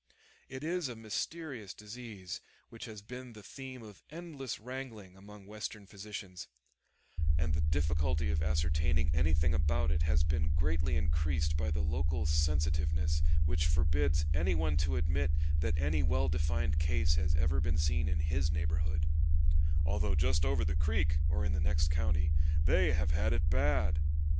It is a mysterious disease which has been the theme of endless wrangling among Western physicians, and the difficulty of ascertaining anything about it has been greatly increased by the local sensitiveness which forbids any one to admit that any well defined case has ever been seen in his neighborhood, "although just over the creek (or in the next county) they have had it bad."